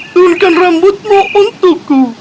turunkan rambutmu untukku